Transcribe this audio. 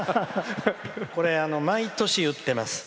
毎年、言ってます。